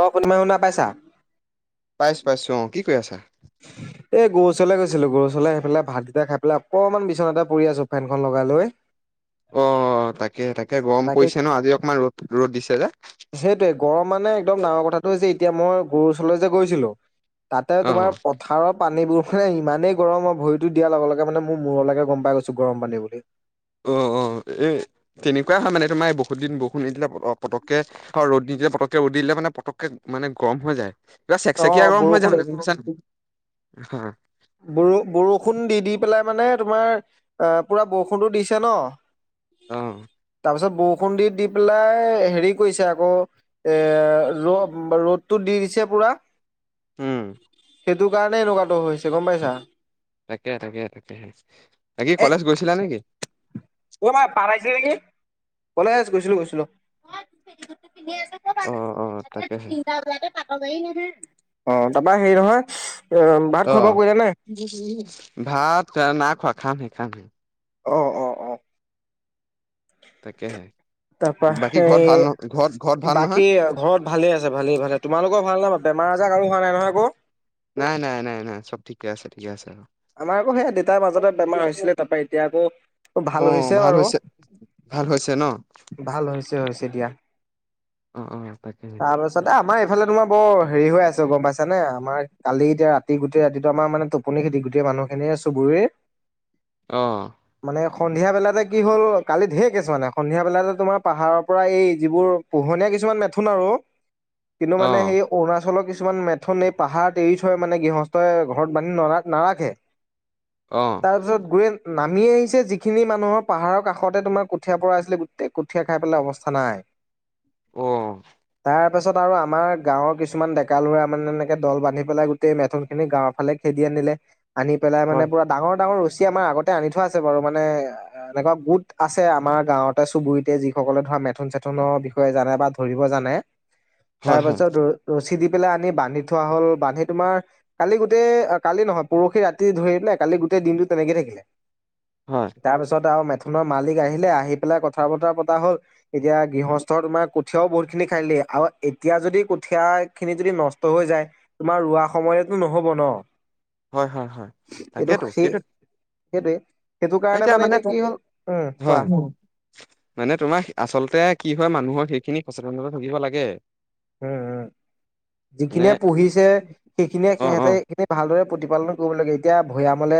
অ', কোনবাই শুনা পাইছা? পাইছো পাইছো অ কি কৰি আছা? [inaudible] এই গৰু ওচৰলৈ গৈছিলো, গৰুৰ ওচৰলে আহি পেলাই ভাতগিটা খাই পেলাই অকনমান বিচনাতে পৰি আছো ফেনখন লগাই লৈ। অ', তাকে তাকে গৰম পৰিছে ন আজি অকমান ৰ'দ ৰ'দ দিছে যে। সেইটোৱে গৰম মানে একদম ডাঙৰ কথাটো হৈছে, এতিয়া মই গৰু ওচৰলৈ যে গৈছিলো তাতে অ তোমাৰ পথাৰৰ পানীবোৰ মানে ইমানেই গৰম আৰু ভৰিটো দিয়াৰ লগে লগে মানে মোৰ মূৰলৈকে গম পাই গৈছো গৰম পানী বুলি অ' অ' এ তেনেকুৱাই হয় মানে তোমাৰ বহুত দিন বৰষুণ নিদিলে অ পতকে ৰ'দ নিদিলে পতককে ৰ'দ দিলে মানে পতককে মানে গৰম হৈ যায় কিবা অ চেকচেকিয়া গৰম হৈ যায় বৰষুণ গম পাইছান নাই বৰষুণ দি দি পেলাই মানে তোমাৰ পুৰা বৰষুণটো দিছে ন আহ তাৰপিছত বৰষু দি দি পেলাই হেৰি কৰিছে আকৌ এ ৰদটো দি দিছে পুৰা। উম। সেইটো কাৰণে এনেকুৱাটো হৈছে গম পাইছা তাকে তাকে তাকেহে বাকী এ কলেজ গৈছিলা নেকি অ' মাই পাৰাইছিল নেকি কলেজ গৈছিলো গৈছিলো [unintelligible] অ অ এতিয়া তাকেহে তিনটা বজাতে পাতৰ গাড়ী নাহে। অ, তাৰপৰা হেৰি নহয়? অ ভাত খোৱা অ, বোৱা কৰিলা নে? [unintelligible] ভাত নাই খোৱা। খাম হে, খাম হে। অ' অ' অ' তাকেহে। তাৰপৰা বাকী ঘৰত ভাল ন সেই- ঘৰত ঘৰত ভাল নহয় বাকী ঘৰত ভালেই আছে ভালেই ভালেই। তোমালোকৰ ভাল নহ বেমাৰ আজাৰ আৰু হোৱা নাই নহয় আকৌ? নাই, নাই, নাই, নাই চব ঠিকে আছে, ঠিকে আছে। আমাৰ আকৌ সেইয়া দেতাৰ মাজতে বেমাৰ হৈছিলে তাৰপৰা এতিয়া আকৌ ভাল হৈছে বাৰু। ভাল হৈছে ন ভাল হৈছে হৈছে দিয়া অ' অ' তাকেহে ইফালে তোমাৰ বৰ হেৰি হৈ আছে গম পাইছা নে? আমাৰ কালি এতিয়া ৰাতি, গোটেই ৰাতিটো আমাৰ মানে টোপনি খেতি- সেই মানুহখিনিয়ে চুবুৰীৰ অহ। সন্ধিয়াবেলাতে কি হ'ল। কালি ঢেৰ কেছ মানে, সন্ধিয়া বেলা তোমাৰ পাহাৰৰ পৰা এই যিবোৰ পোহনীয়া কিছুমান মেথুন আৰু, কিন্তু অ মানে সেই অৰুণাচলৰ কি- কিছুমান মেথন এই পাহাৰত এৰিথই মানে গৃহস্থই ঘৰত বান্ধি ন' নাৰাখে। অ তাৰপিছত গ নামি আহিছে যিখিনি মানুহৰ পাহাৰৰ কাষতে তোমাৰ কঠীয়া পৰা আছিলে গোটেই কঠীয়া খাই পেলাই অৱস্থা নাই [inaudible] অ', তাৰ পাছত আৰু আমাৰ গাঁৱৰ কিছুমান ডেকা লোৰা মানে এনেকে দল বান্ধি পেলাই গোটেই মেথন খিনি গাঁৱৰ ফালে খে- দি আনিলে, আনি পেলাই মানে হয় পুৰা ডাঙৰ ডাঙৰ ৰ- আমাৰ আগতে আনি থোৱা আছে বাৰু মানে এনেকুৱা গোট আছে আমাৰ গাওঁতে চুবুৰীতে যিসকলে ধৰা- মেথুন-চেথুনৰ বিষয়ে জানে বা ধৰিব জানে, হয় হয় তাৰপাছত ৰছী দি- পেলাই আনি বান্ধি থোৱা হ'ল বান্ধি তোমাৰ কালি গোটেই কালি নহয় পৰখি ৰাতি ধৰি দিলে। কালি গোটেই দিনটো তেনেকে থাকিলে। হয় তাৰপিছত আৰু থুনৰ মালিক আহিলে। আহি পেলাই কথা বতৰা পতা হ'ল এতিয়া গৃহস্থৰ তোমাৰ কঠিয়াও বহুত খিনি খাইদিলে আৰু এতিয়া যদি কঠিয়া খিনি যদি নষ্ট হৈ যায় তোমাৰ ৰোৱা সময়েতো নহ'ব ন'? হয়, হয়, হয়। এইটো তাকেতো সেই সেইটো সেইটোৱে সেইটো কাৰণে মানে এতিয়া কি হ'ল উম কোৱা হয় মানে তোমাৰ আচলতে কি হয় মানুহৰ খিনি সচেতনতা থাকিব লাগে। উম, উম। মানে যিখিনিয়ে পঢ়িছে সেইখিনিয়ে অ অ সিহঁতে এইখিনি ভালদৰে প্ৰতিপালন কৰিব লাগে এতিয়া ভৈয়ামলে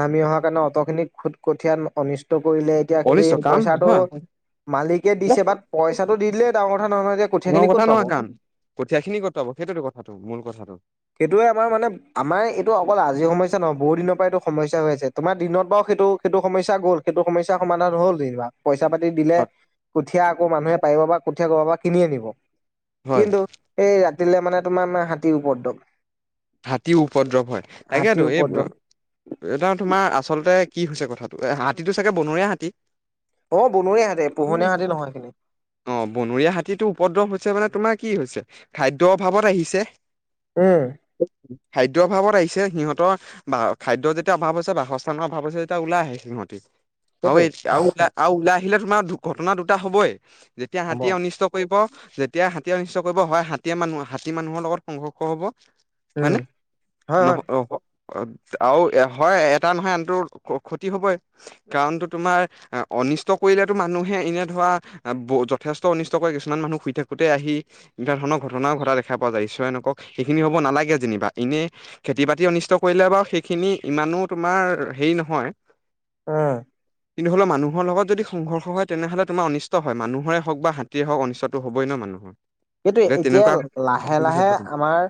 নামি অহাৰ কাৰণে অট খিনি খুট কঠীয়া অনিষ্ট কৰিলে এতিয়া সেই কৰিছো কাৰণ পইচাটো নহয় মালিকে দিছে বাট পইচাটো দি দিলে ডাঙৰ কথা নহয় ডাঙৰ কঠীয়াখিনি কথা ক'ত পাব নহয় কাণ, কঠীয়া খিনি কত পাব সেইটোতো কথাটো মূল কথাটো। সেইটয়ে আমাৰ মানে আমাৰ এইটো অকল আজিৰ সমস্যা নহয় বহু দিনৰ পৰাই এইটো সমস্যা হৈ আছে তোমাৰ দিনত বাৰু সেইটো সেইটো সমস্যা গ'ল সেইটো সমস্যা সমাধান হ'ল যেনিবা। পইচা পাতি দিলে হয় কঠীয়া আকৌ মানুহে পাৰিব বা কঠীয়া কব পৰা কিনি আনিব। হয় কিন্তু, সেই ৰাতিলৈ মানে তোমাৰ হাতীৰ ওপত দপ হাতী উপদ্ৰৱ হয় হাতীৰ তাকেতো, উপদ্ৰৱ এই এটা তোমাৰ আচল আচলতে কি হৈছে কথাটো এ হাতীটো চাগে বনৰীয়া হাতী। অ বনৰীয়া হাতী পোহনীয়া হাতী নহয় হেখিনি। অ বনৰীয়া হাতীটো উপদ্ৰৱ হৈছে মানে তোমাৰ কি হৈছে খাদ্যৰ অভাৱত আহিছে। উম। খাদ্যৰ অভাৱত আহিছে সিহঁতৰ বা খাদ্যৰ যেতিয়া অভাৱ আছে বাসস্থানৰ অভাৱ আছে যেতিয়া ওলাই আহে সিহঁতি। সেইটোৱে এই আৰু ওলাই আৰু ওলাই আহিলে তোমাৰ ঘটনা দুটা হবই যেতিয়া হ'ব হাতীয়ে অনিষ্ট কৰিব। যেতিয়া হাতীয়ে অনিষ্ট কৰিব হয় হাতীয়ে মানুহ হাতী মানুহৰ লগত সংঘৰ্ষ হব। উম হয়নে, হয় হয় নহ অ আৰু হয় এটা নহয় আনটো ক্ষতি হবই কাৰণটো তোমাৰ আ অনিষ্ট কৰিলেটো মানুহে এনে ধৰা যথেষ্ট অনিষ্ট কৰে কিছুমান মানুহ শুই থাকোতে আহি। এনেধ ধৰণৰ ঘটনা ঘটা দেখ পোৱা যায় ঈশ্বৰে নকৰক সেইখিনি হব নালাগ গে যেনিবা, এনেই খেতি বাতি অনিষ্ট কৰিলে বাৰু সেইখিনি ইমানো তোমাৰ হেৰি নহয়। আহ। কিন্তু হলে মানুহৰ লগত যদি সংঘৰ্ষ হয় তেনেহ'লে তোমাৰ অনিষ্ট হয় মানুহৰে হওক বা হাতীয়ে হওক অনিষ্টটো হবই নয় মানুহৰ। সেইটো এতিয়া লাহে লাহে আমাৰ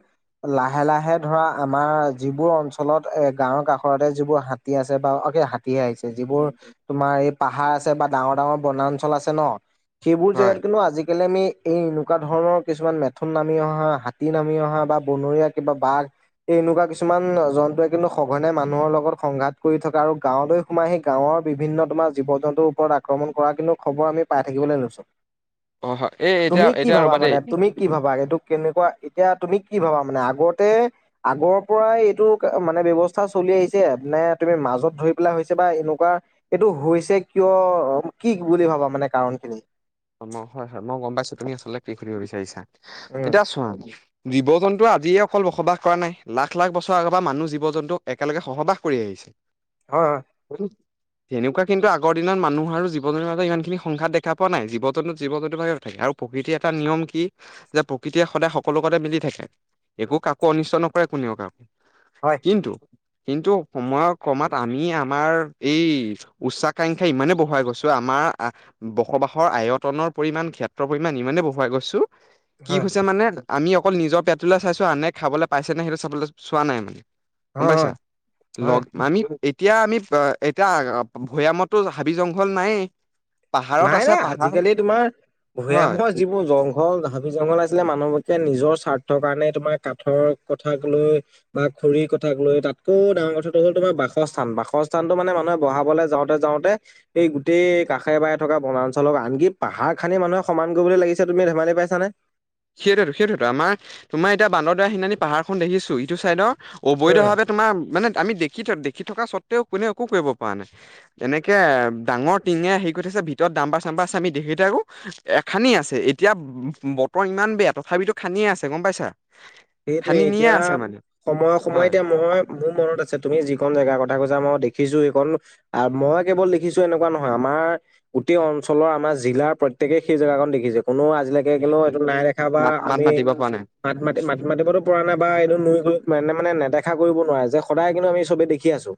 লাহে লাহে লাহে ধৰা আমাৰ যিবোৰ অঞ্চলত গাঁৱৰ কাষৰতে যিবোৰ হাতী আছে বাৰু গিয়ে আহিছে যিবোৰ তোমাৰ এই পাহাৰ আছে বা ডাঙৰ ডাঙৰ বনাঞ্চল আছে ন। সেইবোৰ হয় জেগাত কিন্তু আজিকালি আমি এই এনেকুৱা ধৰণৰ কিছুমান মেথোন নামি অহা হাতী নামি অহা বা বনৰীয়া কিবা বাঘ। এই এনেকুৱা কিছুমান জন্তুৱে কিন্তু সঘনে মানুহৰ লগত সংঘাত কৰি থকা আৰু গাঁৱলৈ সোমাই সি গাঁৱ ৰ বিভিন্ন তোমাৰ জীৱ জন্তুৰ ওপৰত আক্ৰমণ কৰা কিন্তু খবৰ আমি পাই থাকিবলৈ লৈছো। অ হয় এ এতিয়া তুমি এ কি ভাবা মানে তুমি কি ভাবা এইটো কেনেকুৱা এতিয়া তুমি কি ভাবা মানে আগতে আগৰ পৰাই এইটো মানে ব্যৱস্থা চ চলি আহিছে নে তুমি মাজত ধৰি পেলাই হৈছে বা এনেকুৱা এইটো হৈছে কিয় কি বুলি ভাবা মানে কাৰণখিনি। হয় হয় মই গম পাইছো তুমি আচলতে কি সুধিব বিচাৰিছা, উম এতিয়া ছোৱা জীৱ জন্তু আজিয়ে অকল বসবাস কৰা নাই লাখ লাখ বছৰ আগৰ পৰা মানুহ জীৱ জন্তু একেলগে সহবাস কৰি আহিছে। হয় [inaudible] তেনেকুৱা কিন্তু আগৰ দিনত মানুহ আৰু জীৱনৰ বাবে ইমান খিনি সংঘাত দেখা পোৱা নাই যি জীৱ জন্তু জীৱ জন্তু ভাবে থাকে আৰু প্ৰকৃতিৰ এটা নিয়ম কি যে প্ৰকৃতিয়ে সদায় সকলো লগতে মিলি থাকে। একো কাকো অনিষ্ট নকৰে কোনেও কাকো, হয় কিন্তু কিন্তু সময়ৰ কমাত আমি আমাৰ এই উচ্চাকাংক্ষা ইমানে বহুৱাই গৈছো আমা আ আ বসবাসৰ আয়ত- কটনৰ পৰিমমানণ ক্ষেত্ৰৰ পৰিমণ ইমানে বহুৱাই গৈছো কি হয় হৈছে মানে আমি অকল নিজৰ পেটটোলৈ চাইছো আনে খাবলৈ পাইছেনে সেইটো চাবলৈ চোৱা নাই মানে। হয় গম হয় পাইছা, হয় হয় লগ আমি এতিয়া আমি এতিয়া ভৈয়ামতো হাবি জংঘল নাইয়ে। পাহাৰত নাই আছে নাই পাহাৰ। আজিকালি তোমাৰ হয় ভৈয়ামৰ যিবোৰ জংঘল দে জংঘল আছিলে মানুহবকে নিজৰ স্বাৰ্থৰ কাৰণে তোমাৰ কাঠৰ কথাক লৈ বা খৰি কথা তাক লৈ তাতকৈও ডাঙৰ কথাটো হল তোমাৰ বাসস্থান বাসস্থানতটো মানে মানুহে বহাবলৈ যাওঁতে যাওঁতে এ ই গোটেই কাষে বা হে থকা বনাঞ্চলক আনকি পাহাৰ খানি মানুহে সমান কৰিবলৈ লাগিছে তুমি ধেমালি পাইছানে। সেইটোতো সেইটোটো আমাৰ তোমাৰতিয়া বান্দাৰ দুৱা সিনানি পাহাৰখন দেখিছো ইটো চাইডৰ উম। অবৈধভাৱে তোমাৰ মানে আমি দেখি থ দেখি থকা সতে কোনে একো কৰিব পৰা নাই, এনেকে ডাঙৰ তিঙে হে কৰিঠৈছে ভিতৰত দাম্বাৰ চাম্বাৰ চামি দে সেই আকৌ এ খানি আছে এতিয়া বতৰ ইমান বেয়া তথাপিতো খনিয়ে আছে গম পাইছা। সেইটোৱে খান্দি নিয়ে এতিয়া আছে মানে সময়ে সময়ে হয় এতিয়া মই মোৰ মনত আছে তুমি যিখন জেগাৰ কথা কৈছা মই দেখ দেখিছো সেইখনণ, মই কেৱল দেখিছো এনেকুৱা নহয় আমাৰ গোটেই অঞ্চলৰ আমাৰ জিলাৰ প্ৰ প্ৰত্যেকেই সেই জেগাখনন দেখিছে কোনো আজিলৈকে কিন্তু এইটো নাই দেখা বা মাত মাত আমি মাতিব পৰা নাই মাত মাতি পাতি পো পৰা নাই বা এই নুই মানে মানে নেদখা কৰিব নোৱাৰে যে সদায় কিন্তু আমি চবে দেখি আছো।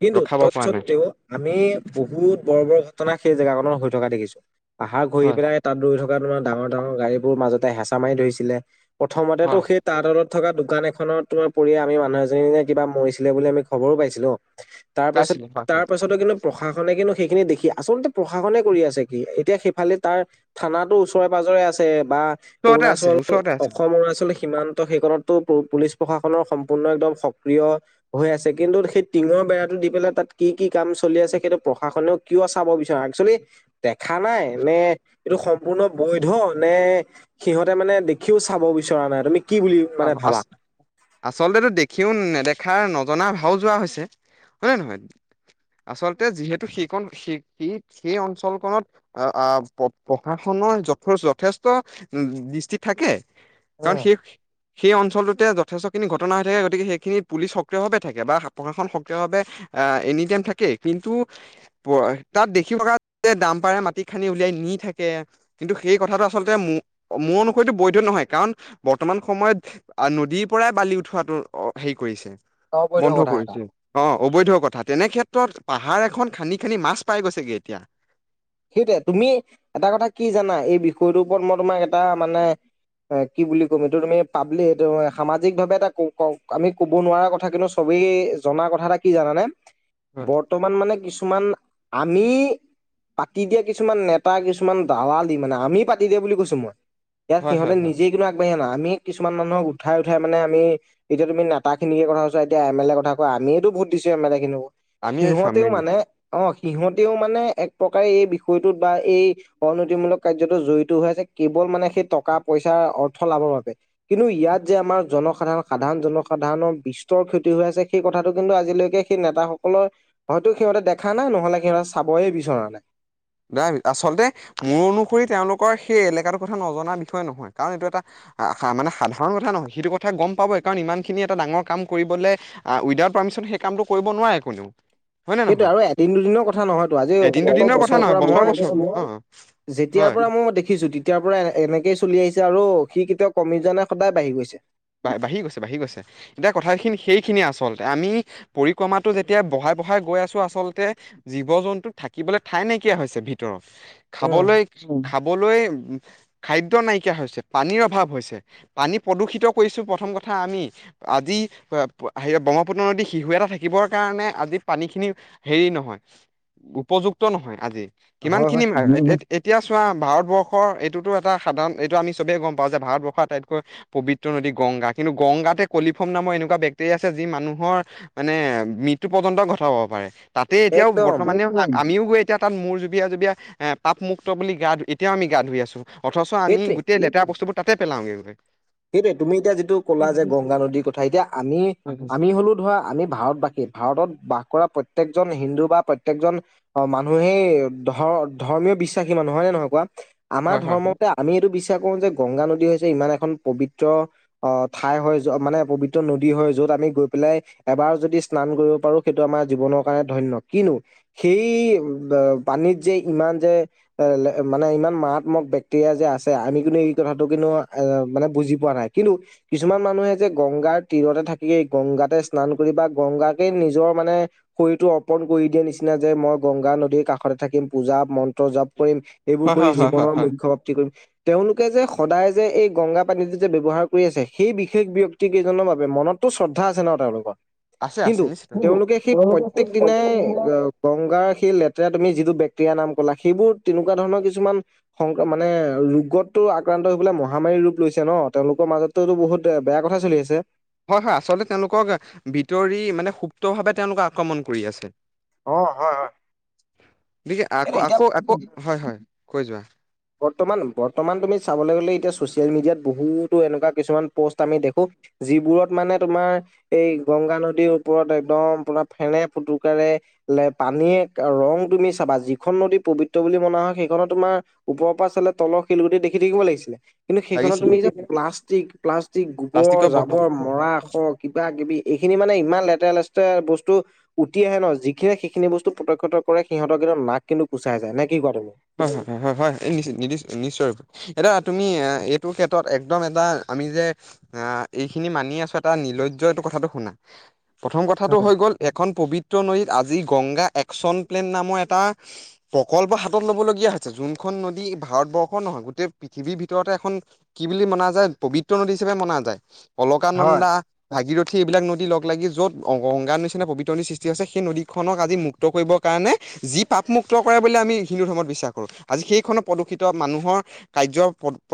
কিন্তু ৰখাব পৰা নাই তৎস্বত্বেও আমি বহুত বৰ বৰ ঘটনা সেই জেগাকনত হৈ থকা দেখিছো পাহাৰ ঘূৰি হয় পেলাই তাত ৰৈ থকা তোমাৰ ডাঙৰ ডাঙৰ গাড়ীবোৰ মাজতে হেঁচা মাৰি ধৰিছিলে, প্ৰথমতে হয় সেই তাঁত তলত থকা দোকান এখনত তোমাৰ পৰি আমি মানুহ এজনীনে কিবা মৰিছিলে বুলি আমি খবৰো পাইছিলো। তাৰ পাছত পাইছিলো হয় তাৰ হয় পাছতো কিন্তু প্ৰশাসনে কিন্তু সেইখিনি দেখি আচলতে প্ৰশাসনে কৰি আছে কি এতিয়া সেইফালে তাৰ থানাো ওচৰে প আছে বা ওচৰতে আছে অৰুণাচল ওচৰতে আছে অসম অৰুণাচল সীমান্ত সেইখনতো পুলিচ প্ৰশাসনৰ সম্পূৰ্ণ একদম সক্ৰিয় হৈ আছে কিন্তু সেই টিঙৰ বেৰাটো দি পেলাই তাত কি কি কাম চলি আছে সেইটো প্ৰশাসনেও কিয় চাব বিচৰা একচোৱেলি দেখা নাই নে এইটো সম্পূৰ্ণ বৈধ নে সিহতে মানে দেখিও চাব বিচৰা নাই তুমি কি বুলি অ' মানে ভাবা? আচ-আচলতেটো দেখিও নেদেখ কথা নজনা ভাও যোৰা হৈছে হয়নে নহয় আচলতে যিহেতু সেইখন সেই সেই সেই অঞ্চলখনত প্ৰশাসন যথেষ্ট উ দৃষ্টিত থাকে কাৰণ উম সেই সেই অঞ্চলটোতে যথেষ্টখিনি ঘটনা হৈ থাকে গতিকে সেইখিনিত পুলিচ সক্ৰিয় ভাৱে থাকে বা প্ৰশাসন সক্ৰিয়ভাৱে আহ এনি টাইম থাকে কিন্তু তাত দেখিবা দাম পাৰে মাটি খানি উলিয়াই নি থাকে। কিন্তু সেই কথাটো আচলতে মো-মোৰ অনুসৰিতো বৈধ নহয় কাৰণ বৰ্তমান সময়ত নদীৰ পৰাই বালি উঠোৱাাতটো অ' হেৰি কৰিছে। অবৈধ বন্ধ কথা এটা। কৰিছে অ', অবৈধ কথা তেনে ক্ষেত্ৰত পাহাৰ এখন খান্দি খান্দি মাছ পাই গৈছেগে এতিয়া। সেইটোৱে তুমি এটা কথা কি জানা এই বিষয়টোৰ ওপৰত মই তোমাক এটা মানে কি বুলি ক'ম এইটো তুমি পাব্লিক সামাজিক ভাৱে এটা আমি কব নোৱাৰা কথা কিন্তু চ ত জনা কথা এটা কি জানানে? বৰ্তমান মানে কিছুমান আমি পাতি দিয়া কিছুমান নেতা কিছুমান দালাল দি মানে আমি পাতি দিয়ে বুলি কৈছো মই। ইয়াত হয় সিহঁতে হয় হয় নিজেই কিন্তু আগবঢ়া ন আমি কিুমান মানুহক উঠাই উঠাই মানে আমি এতিয়া তুমি নেতখিকে কথাোৱাছা এতিয়া এ ক আমিয়েতো ভোট দিছোঁ এম এল এখিনিকো আমি সিহঁতেও চামেই দিম। মানে অ', সিহতেও মানে এক প্ৰকাৰে এই বিষয়টোত বা এই অনীতিমূলক কাৰ্যতো জড়িত হৈ আছে কেৱল মানে সেই টকা পইচাৰ অৰ্থ লাভৰ বাবে, কিন্তু ইয়াত যে আমাৰ জনসাধাৰণ সাধাৰণ জনসাধাৰণৰ বিস্তৰ ক্ষতি হৈ আছে। সেই কথাটো কিন্তু আজিলৈকে সেই নেতাসকলৰ হয়তো সিহঁতে দেখা নাই নহলে সিহঁতে চাবয়ে বিচৰা নাই দা আচলতে মোৰ অনুসৰি তেওঁলোকৰ সেই এলেকাটোৰ কথা নজননা বিষয়ে নহয়, কাৰণ এইটো এটা মানে সাধাৰণ কথা নহয় সেইটো কথা গম পাব কাৰণ ইমান খিনি এটা ডাঙৰ কাম কৰিব উইডাউট পাৰমিছন পিছত সেই কামটো কৰিব নোৱাৰে কোনেও হয় নে সেইটো নহয়? আৰু এদিন দুদিনৰ কথা নহয়তটো আজি এদিন অ'ত দুদিনৰ কথা বছৰ নহয় পৰা মই বছৰ অ যেতিয়াৰ হয় পৰা মই দেখিছো তেতিয়াৰ পৰা এনেকে চলি আহিছে। আৰু সি কেতিয়াও কমি যোৱা নাই সদায় বাঢ়ি গৈছে বা-বাঢ়ি গৈছে বাঢ়ি গৈছে, এতিয়া কথাখিনি সেইখিনিয়ে আচলতে আমি পৰিক্ৰমাটো যেতিয়া বহাই আগবঢ়াই গৈ আছো আচলতে জীৱ জন্তুক থাকিবলৈ ঠাই নাইকিয়া হৈছে ভিতৰত। উম, খাবলৈ কি খাবলৈ খাদ্য নাইকিয়া হৈছে পানীৰ অভাৱ হৈছে পানী প্ৰদূষিত কৈছোঁ প্ৰথম কথা আমি আজি ব্ৰহ্মপুত্ৰ নদীত শিহো এটা থাকিবৰ কাৰণে আজি পানী খিনি হেৰি নহয় উপযুক্ত নহয় আজি কিমান হয় খিনি। হয়। এতিয়া চোৱা ভাৰতবৰ্ষৰ এইটোতো এটা সাধাৰণ এইটো আমি চবেই গম পাওঁ যে ভাৰতবৰ্ষৰ আটাইতকৈ পবিত্ৰ নদী গংগা কিন্তু গংগাতে কলিফম নামৰ এনেকুৱা বেটেৰিয়া আছে যি মানুহৰ মানে মৃত্যু একঘন্ট ঘটাব পাৰে, তাতে এতিয়াও একদম বৰ্তমানেও আমিও গৈ। এতিয়া তাত মোৰ জুবিযাই-জুবিযাই এতিয়াও পাপমুক্ত বুলি গা ধুই এতিয়াও আমি গা ধুই আছো। অথচ আমি সেইটোৱে। গোটেই লেতেৰা বস্তবোৰ তাতে পেলাওঁ গৈ। সেইটোৱে তুমি এতিয়া যিটো কলা যে গংগা নদীৰ কথা এতিয়া আমি-আমি হলো ধৰা আমি ভাৰতবাসী। ভাৰতত বাস কৰা প্ৰত প্ৰত্যকজন হিন্দু বা প্ৰত্যেকজন অ, মানুহেই ধ-ধৰ্মীয় বিশ্বাসী মানুহ হয় নে নহয় কোৱা। আমাৰ হয় হয় হয় ধৰ্মতে হয় আমি এইটো বিশ্বাস কৰো যে, গংগা নদী হৈছে, ইমান এখন পবিত্ৰ অ' ঠাই হয় মানে পবিত্ৰ নদী হয় য'ত আমি গৈ পেলাই এবাৰ যদি স্নান সেইটো আমাৰ জনৰ কাৰ ধন্য সেই পানীত যে মানে ইমান মাৰাত্মক বেক্টেৰিয়া যে আছে, আমি কিন্তু এই কথাটো কিন্তু এ মানে বুজি পোৱা নাই কিন্তু কিছুমান মানুহে যে গংগাৰ তীৰতে থাকিয়েই গংগাতে স্নান কৰি বা গংগা। কে নিজৰ মানে, শৰীৰতটো অৰ্পন কৰি দিয়ে নিচিনা যে মই গংগা নদীৰ কাষতে থাকিম। পূজা মন্ত জাপ কৰিম এইবোৰ কৰি হয় হয় হয় জীৱনৰ হয় মুখ্য প্ৰাপ্তি কৰিম তেওঁলোকে যে সদায় যে এই গংগা। পানীটো যে ব্যৱহাৰ কৰি আছে সেই বিশেষ ব্যয়ক্তি কেইজনৰ বাবে মনতো শ্ৰদ্ধা আছে ন তেওঁলোকৰ। আছে আছে কিন্তু, নিশ্চিত তেওঁলোকে সেই প্ৰত্যয়েক দিনাই, গংগাৰ সেই লেতে। তে তুমি যিটো বেকটেৰিয়া নাম কলা সেইবোৰ তেনেকুৱা ধৰণৰ কিছুমান সং মানে ৰোগতটো আ সেইফে মহামাৰীৰ ৰূপ লৈছে ন তেওঁলোকৰ মাজতোতো বহুত বেয়া কথা চলি আছে। হয়-হয় আচলতে তেওঁলোকক ভিতৰি মানে সুপ্তভাৱে তেওঁলোকক আক্ৰমণ কৰি আছে। অ' হয়-হয়। গকে আকৌ আকৌ আকৌ হয়-হয় কৈ যোৱা? বৰ্তমান-বৰ্তমান তুমি চাবলৈ গলে এতিয়া ছচিয়েল মিডিয়াত বহুতো এনেকুৱা কিছুমান প'ষ্ট আমি দেখোঁ। যিবোৰত মানে তোমাৰ এই গংগা নদীৰ ওপৰত একদম তোমাৰ ফেনে ফুটকাৰাৰে। পানীয়ে ৰং তুমি চাবা যিখন নদী পবিত্ৰ বুলি মনা হয় সেইখনত তোমাৰ, ওপৰৰ পৰা চালে তল শিলগুটি দেখি থাকিব লাগিছিল। কিন্তু সেইখনত লাগিছিলে তুমি যে প্লাষ্টিক-প্লাষ্টিক গোবৰ প্লাষ্টিকৰ বটল জাবৰ মৰাশ কিবা-কিবি এই খি খিনি মানে ইমান লেতেৰা-লেতেৰা বস্তু টো উতি আহে ন যিখিনিয় সেইখিনি বস্তু প্ৰতক্ষত কৰে সিহতৰু নাক কিন্তু গোচাই যায় ন হয়-হয়-হয়-হয়-হয়-হয়। নি নিশ্চয় এতিয়া তুমি এইটোৰ ক্ষেত্ৰত একদম এটা আমি যে এইখিনি মানি আছো এটা নিলজ্জ এইটো কথাটো শুনা। প্ৰথম কথাটো উম হৈ গ'ল এখন পবিত্ৰ নদীত আজি গংগা একচন প্লেন নামৰ এটা, প্ৰকল্প ল'বলগীয়া হৈছে যোনখন নদী ভাৰতবৰ্ষৰ নহয় গোটেই পৃথিৱীৰ ভিতৰতে এখন কি বুলি মনা যায়। পবিত্ৰ নদী হিচাপে মনা যায় হয় অলকানন্দা ভাগীৰথী, সেইবিলাক নদী লগ লাগি য'ত গংগাৰ নিচিনা পৱিতৰণিৰ সৃষ্টি হৈছে সেই নদীখনক আজি মুক্ত কৰিবৰ কাৰণে যি পাপ মুুক্ত কৰে বুলি আমি, হিন্দু ধৰ্মত বিশ্বাস কৰোঁ আজি সেইখনত প্ৰদূষিত মানুহৰ কাৰ্যৰ প পৰা।